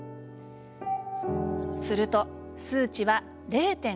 すると、数値は０．６。